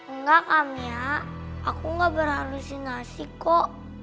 enggak kak mia aku gak berhalusinasi kok